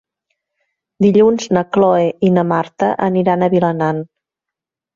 Dilluns na Cloè i na Marta aniran a Vilanant.